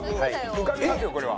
浮かびますよこれは。